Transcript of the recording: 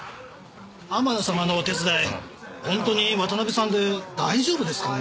天野さまのお手伝いほんとに渡辺さんで大丈夫ですかね？